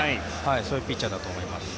そういうピッチャーだと思います。